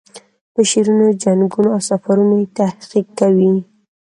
په شعرونو، جنګونو او سفرونو یې تحقیق کوي.